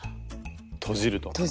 とじると。